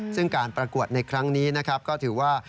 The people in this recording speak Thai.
ซึ่งการประกวดในครั้งนี้นะครับก็ถือว่า